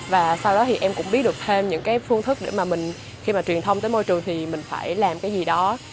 và sau đó thì em cũng biết được thêm những phương thức để khi mà truyền thông tới môi trường thì mình phải làm cái gì đó